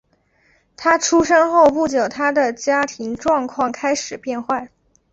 他出生后不久他的家庭状况开始变坏。